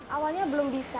awalnya belum bisa